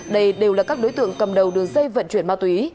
đây đều là các đối tượng cầm đầu đường dây vận chuyển ma túy